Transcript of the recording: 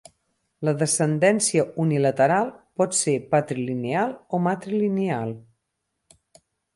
La descendència unilateral pot ser patrilineal o matrilineal.